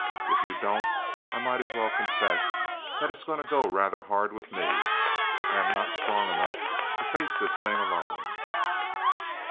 If you don't I might as well confess that it is going to go rather hard with me. I am not strong enough to face this thing alone."